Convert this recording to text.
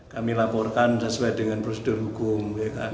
kami laporkan sesuai dengan prosedur hukum